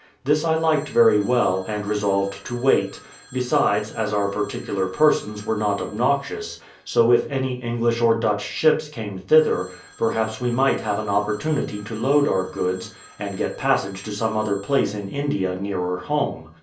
This I liked very well, and resolved to wait; besides, as our particular persons were not obnoxious, so if any English or Dutch ships came thither, perhaps we might have an opportunity to load our goods, and get passage to some other place in India nearer home.